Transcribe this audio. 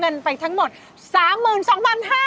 เงินไปทั้งหมด๓๒๕๐๐บาท